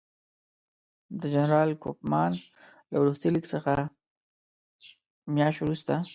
د جنرال کوفمان له وروستي لیک څه میاشت وروسته.